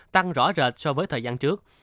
tăng rõ rệt so với thời gian trước